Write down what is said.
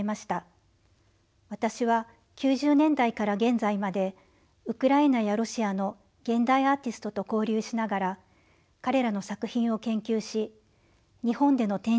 私は９０年代から現在までウクライナやロシアの現代アーティストと交流しながら彼らの作品を研究し日本での展示などにも関わってきました。